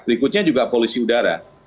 berikutnya juga polisi udara